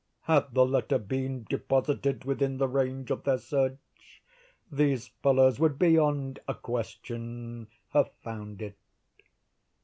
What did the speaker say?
Had the letter been deposited within the range of their search, these fellows would, beyond a question, have found it."